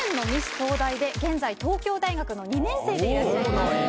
東大で現在東京大学の２年生でいらっしゃいます。